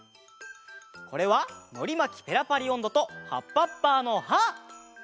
これは「のりまきペラパリおんど」と「はっぱっぱのハーッ！」。